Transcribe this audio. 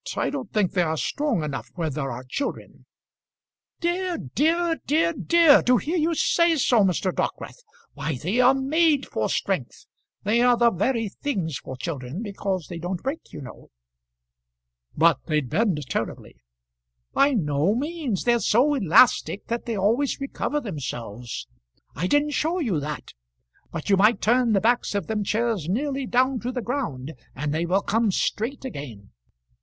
I don't think they are strong enough where there are children." "Dear, dear; dear, dear; to hear you say so, Mr. Dockwrath! Why, they are made for strength. They are the very things for children, because they don't break, you know." "But they'd bend terribly." "By no means. They're so elastic that they always recovers themselves. I didn't show you that; but you might turn the backs of them chairs nearly down to the ground, and they will come straight again.